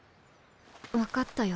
分かったよ